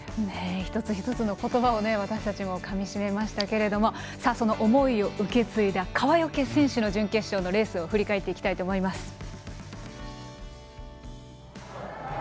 一つ一つの言葉を私たちもかみしめましたがその思いを受け継いだ川除選手の準決勝のレースを振り返っていきたいと思います。